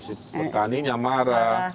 si petaninya marah